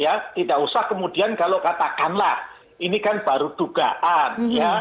ya tidak usah kemudian kalau katakanlah ini kan baru dugaan ya